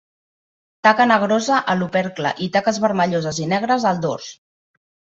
Taca negrosa a l'opercle i taques vermelloses i negres al dors.